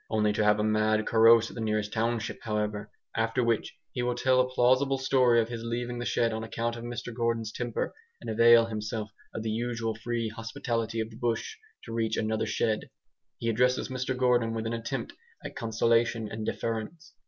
Only to have a mad carouse at the nearest township, however; after which he will tell a plausible story of his leaving the shed on account of Mr Gordon's temper, and avail himself of the usual free hospitality of the bush to reach another shed. He addresses Mr Gordon with an attempt at conciliation and deference.